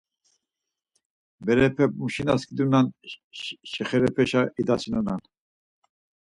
Berepemuşi na skidunan şexerepeşa idasinonan.